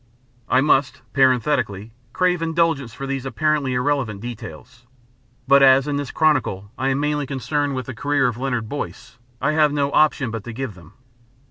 I must, parenthetically, crave indulgence for these apparently irrelevant details. But as, in this chronicle, I am mainly concerned with the career of Leonard Boyce, I have no option but to give them.